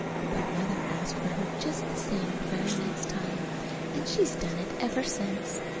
But Mother asked for her just the same the very next time. And she's done it ever since.